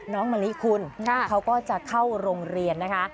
มะลิคุณเขาก็จะเข้าโรงเรียนนะคะ